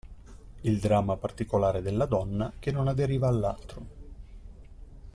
Il dramma particolare della donna, che non aderiva all'altro.